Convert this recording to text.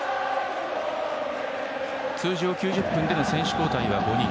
通常、９０分での選手交代は５人。